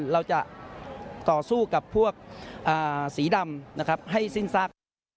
เราจะต่อสู้กับพวกสีดำนะครับให้สิ้นซาก